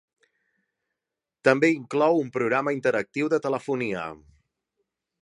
També inclou un programa interactiu de telefonia.